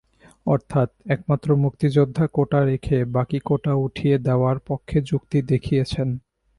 অর্থাৎ একমাত্র মুক্তিযোদ্ধা কোটা রেখে বাকি কোটা উঠিয়ে দেওয়ার পক্ষে যুক্তি দেখিয়েছেন।